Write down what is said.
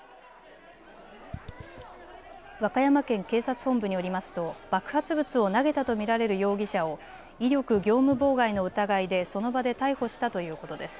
和歌山県警察本部によりますと爆発物を投げたと見られる容疑者を威力業務妨害の疑いでその場で逮捕したということです。